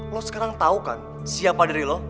lo sekarang tau kan siapa dari lo